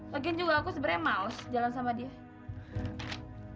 lagian juga aku sebenernya maus jalan sama dia